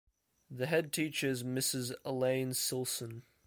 The head teacher is Mrs Elaine Silson.